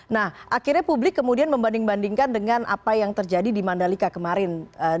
nah akhirnya publik kemudian membanding bandingkan dengan apa yang terjadi di mandalika kemarin